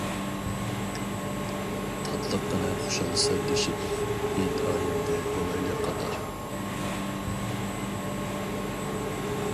تاتلىققىنە خۇشال سىردىشىپ، ھېيت-ئايەمدە بولايلى قاتار.